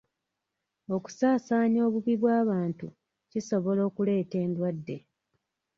Okusaasaanya obubi bw'abantu kisobola okuleeta endwadde.